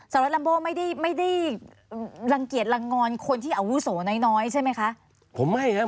สรรค์ลำโบไม่ได้รังเกียจรังงอนคนที่อ่อนวุโสน้อยใช่ไหมคะ